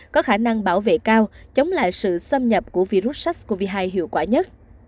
có khả năng bảo vệ cao chống lại sự xâm nhập của virus sars cov hai hiệu quả nhất